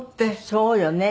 そうよね。